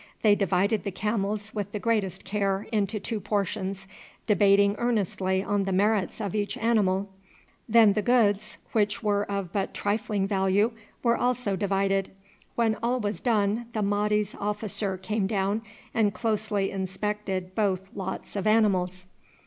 They divided the camels with the greatest care into two portions, debating earnestly on the merits of each animal; then the goods, which were of but trifling value, were also divided. When all was done the Mahdi's officer came down and closely inspected both lots of animals.